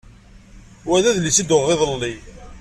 Wa d adlis i d-uɣeɣ iḍelli.